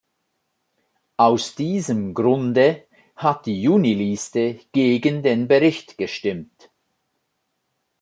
Aus diesem Grunde hat die Juniliste gegen den Bericht gestimmt.